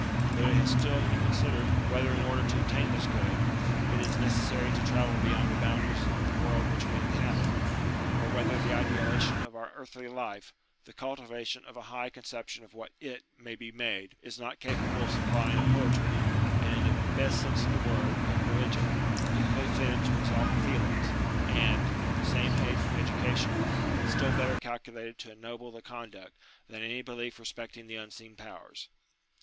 But it has still to be considered, whether in order to obtain this good, it is necessary to travel beyond the boundaries of the world which we inhabit ; UTILITY OF RELIGION 105 or whether the idealization of our earthly life, the cultivation of a high conception of what it may be made, is not capable of supplying a poetry, and, in the best sense of the word, a religion, equally fitted to exalt the feelings, and (with the same aid from education) still better calculated to ennoble the conduct, than any belief respecting the unseen powers.